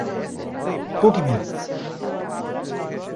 Pugmil